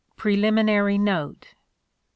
. 5 PRELIMINARY NOTE ..